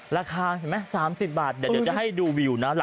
ราคาเห็นไหม๓๐บาทเดี๋ยวจะให้ดูวิวนะ